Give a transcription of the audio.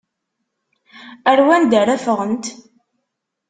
Ar wanda ara ffɣent?